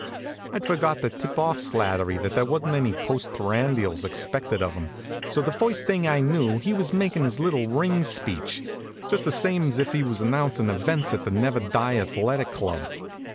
I'd forgot to tip off Slattery that there wasn't any postprandials expected of him; so the first thing I knew he was makin' his little ring speech, just the same's if he was announcin' events at the Never Die Athletic club.